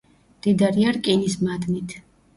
მდიდარია რკინის მადნით.